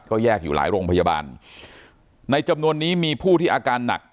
ก็แยกอยู่หลายโรงพยาบาลในจำนวนนี้มีผู้ที่อาการหนัก